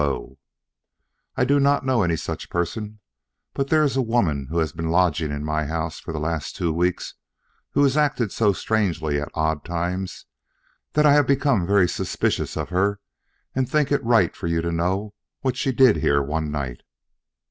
I do not know any such person, but there is a woman who has been lodging in my house for the last two weeks who has acted so strangely at odd times that I have become very suspicious of her, and think it right for you to know what she did here one night.